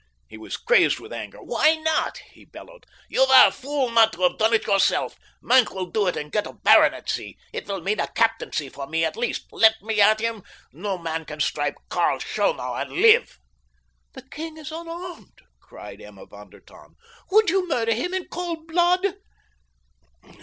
He was crazed with anger. "Why not?" he bellowed. "You were a fool not to have done it yourself. Maenck will do it and get a baronetcy. It will mean a captaincy for me at least. Let me at him—no man can strike Karl Schonau and live." "The king is unarmed," cried Emma von der Tann. "Would you murder him in cold blood?"